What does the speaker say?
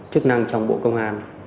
chức năng trong bộ công an